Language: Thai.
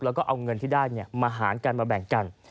แล้วก็เอาเงินที่ได้มาหารกันมาแบ่งกัน